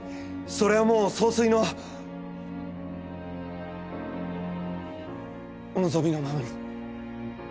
それはもう総帥のお望みのままに。